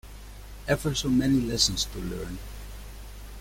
Ever so many lessons to learn!